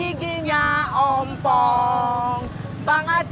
itu madonen taknya meters